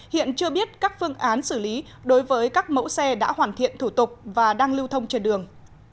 hiện chưa biết các phương án xử lý đối với các mẫu xe đã hoàn thiện thủ tục và đang lưu thông trên đường